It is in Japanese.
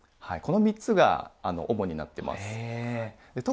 この３つが主になってます。